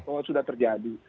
kalau sudah terjadi